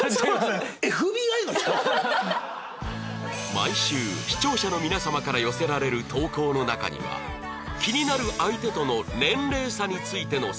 毎週視聴者の皆様から寄せられる投稿の中には気になる相手との年齢差についての相談も多く